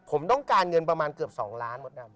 ผมต้องการเงินประมาณเกือบ๒ล้านมดดำ